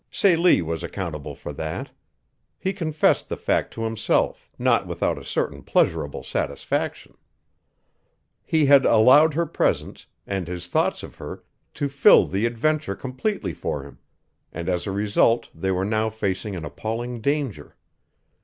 Celie was accountable for that. He confessed the fact to himself, not without a certain pleasurable satisfaction. He had allowed her presence, and his thoughts of her, to fill the adventure completely for him, and as a result they were now facing an appalling danger.